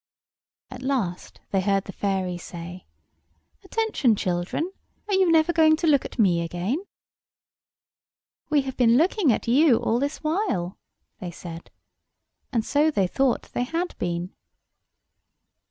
At last they heard the fairy say: "Attention, children. Are you never going to look at me again?" "We have been looking at you all this while," they said. And so they thought they had been.